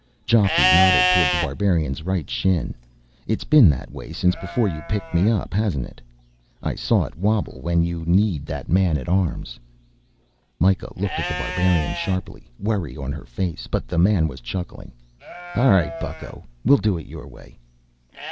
Geoffrey nodded toward The Barbarian's right shin. "It's been that way since before you picked me up, hasn't it? I saw it wobble when you kneed that man at arms." Myka looked at The Barbarian sharply, worry on her face, but the man was chuckling. "All right, bucko, we'll do it your way."